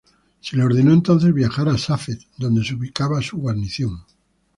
Se le ordenó entonces viajar a Safed, donde se ubicaba su guarnición.